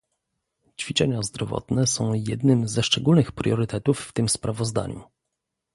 Ćwiczenia zdrowotne są jednym ze szczególnych priorytetów w tym sprawozdaniu